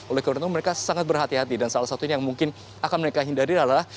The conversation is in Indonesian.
oleh karena itu mereka sangat berhati hati dan salah satunya yang mungkin akan mereka hindari adalah